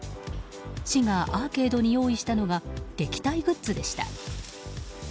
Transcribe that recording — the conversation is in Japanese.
市がアーケードに用意したのが撃退グッズでした。